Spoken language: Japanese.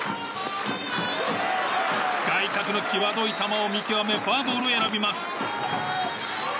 外角のきわどい球を見極めフォアボールを選びます。